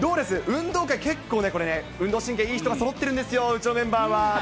運動会、結構ね、これね、運動神経いい人がそろってるんですよ、うちのメンバーは。